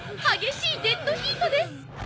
激しいデッドヒートです！